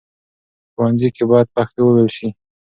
ښوونځي کې بايد پښتو وويل شي.